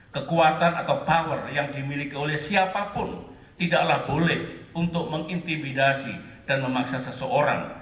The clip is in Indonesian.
kekuatan atau power yang dimiliki oleh siapapun tidaklah boleh untuk mengintimidasi dan memaksa seseorang